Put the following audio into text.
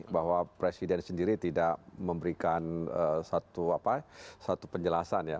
bahwa presiden sendiri tidak memberikan satu penjelasan ya